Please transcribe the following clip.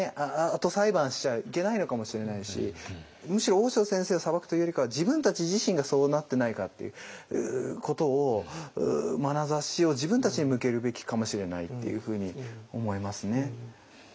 あと裁判しちゃいけないのかもしれないしむしろ大塩先生を裁くというよりかは自分たち自身がそうなってないかっていうことをまなざしを自分たちに向けるべきかもしれないっていうふうに思いますね。